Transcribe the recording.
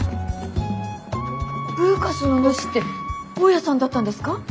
ブーカスのヌシって大家さんだったんですか。